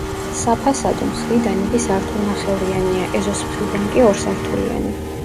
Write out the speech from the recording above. საფასადო მხრიდან იგი სართულნახევრიანია, ეზოს მხრიდან კი ორსართულიანი.